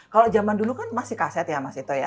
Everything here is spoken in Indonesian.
kalau zaman dulu kan masih kaset ya mas ito ya